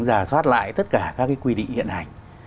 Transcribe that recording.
giả soát lại tất cả các quy định hiện hành